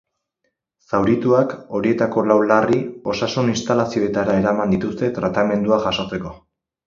Zaurituak, horietako lau larri, osasun instalazioetara eraman dituzte tratamendua jasotzeko.